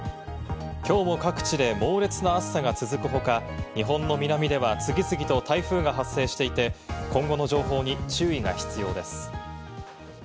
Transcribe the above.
きょうも各地で猛烈な暑さが続く他、日本の南では次々と台風が発生していて、今後の情報に注意が必要です。